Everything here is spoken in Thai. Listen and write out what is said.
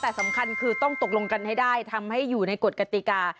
แต่สำคัญคือต้องตกลงกันให้ได้ทำให้อยู่ในกฎกติกา